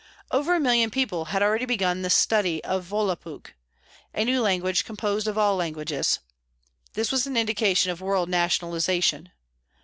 Over a million people had already began the study of Volapük, a new language composed of all languages. This was an indication of world nationalisation.